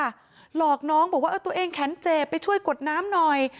หลอกน้องบอกว่าตัวเองแขนเจ็บไปช่วยกดน้ำหน่อย